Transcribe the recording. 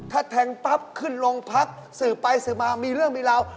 ถ้าแทงปั๊บขึ้นโรงพักสืบไปสืบมามีเรื่องมีราว